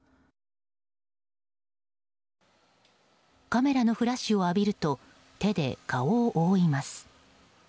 カメラのフラッシュを浴びると手で顔を覆います。